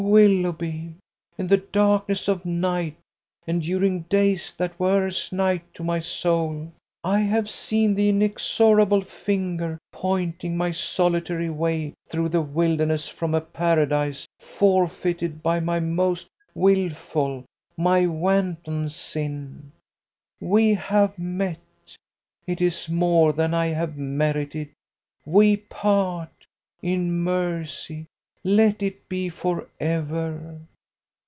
Willoughby, in the darkness of night, and during days that were as night to my soul, I have seen the inexorable finger pointing my solitary way through the wilderness from a Paradise forfeited by my most wilful, my wanton, sin. We have met. It is more than I have merited. We part. In mercy let it be for ever.